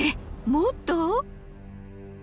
もっと？